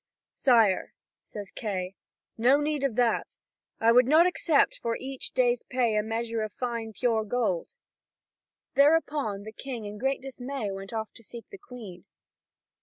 "Sire," says Kay, "no need of that. I would not accept for each day's pay a measure of fine pure gold." Thereupon, the King in great dismay went off to seek the Queen.